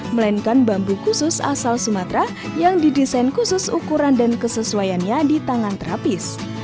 melainkan bambu khusus asal sumatera yang didesain khusus ukuran dan kesesuaiannya di tangan terapis